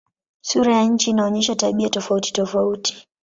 Sura ya nchi inaonyesha tabia tofautitofauti.